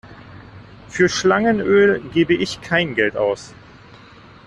Für Schlangenöl gebe ich kein Geld aus.